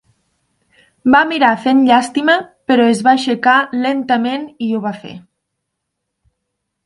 Va mirar fent llàstima, però es va aixecar lentament i ho va fer.